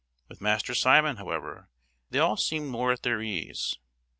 With Master Simon, however, they all seemed more at their ease.